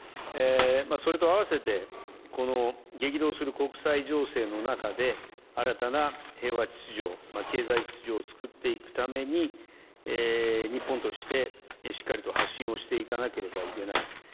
それとあわせて、この激動する国際情勢の中で、新たな平和秩序、経済秩序を作っていくために、日本としてしっかりと発信をしていかなければいけない。